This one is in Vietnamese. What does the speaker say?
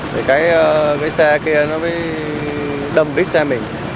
thì cái xe kia nó mới đâm đích xe mình